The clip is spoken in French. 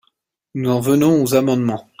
Nous en venons aux amendements.